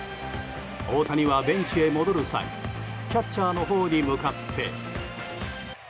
大谷はベンチへ戻る際キャッチャーのほうに向かって。